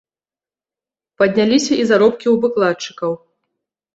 Падняліся і заробкі ў выкладчыкаў.